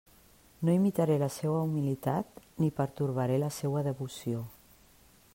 No imitaré la seua humilitat ni pertorbaré la seua devoció.